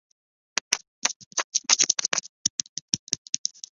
任广西临桂县知县。